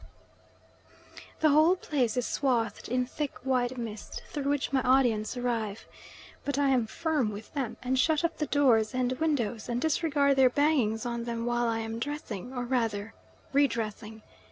The whole place is swathed in thick white mist through which my audience arrive. But I am firm with them, and shut up the doors and windows and disregard their bangings on them while I am dressing, or rather re dressing.